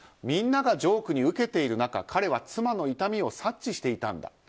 みんながジョークにウケている中彼は妻の痛みを察知していたんだ。